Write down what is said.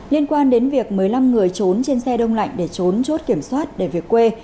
liên quan đến việc một mươi năm người trốn trên xe đông lạnh để trốn chốt kiểm soát để về quê